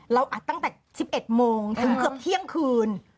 อัดตั้งแต่๑๑โมงถึงเกือบเที่ยงคืน